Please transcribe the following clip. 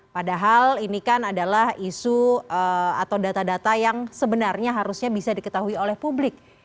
padahal ini kan adalah isu atau data data yang sebenarnya harusnya bisa diketahui oleh publik